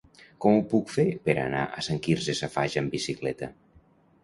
Com ho puc fer per anar a Sant Quirze Safaja amb bicicleta?